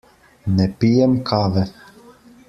Ne pijem kave.